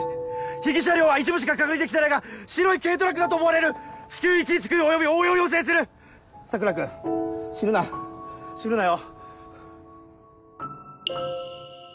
被疑車両は一部しか確認できてないが白い軽トラックだと思われる至急１１９および応援を要請する桜君死ぬな死ぬなよ